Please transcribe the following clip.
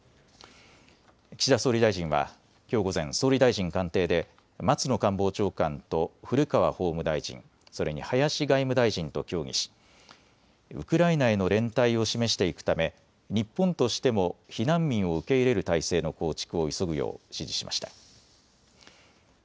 岸田総理大臣はきょう午前、総理大臣官邸で松野官房長官と古川法務大臣、それに林外務大臣と協議しウクライナへの連帯を示していくため日本としても避難民を受け入れる体制の構築を急ぐよう指示しました。